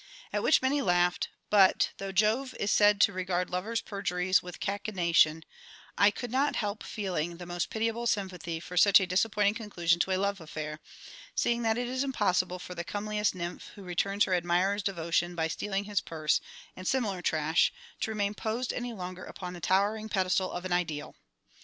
At which many laughed; but, though Jove is said to regard lovers' perjuries with cachinnation, I could not help feeling the most pitiable sympathy for such a disappointing conclusion to a love affair, seeing that it is impossible for the comeliest nymph who returns her admirer's devotion by stealing his purse, and similar trash, to remain posed any longer upon the towering pedestal of an ideal.